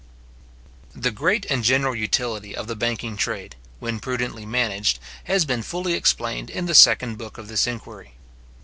The great and general utility of the banking trade, when prudently managed, has been fully explained in the second book of this Inquiry.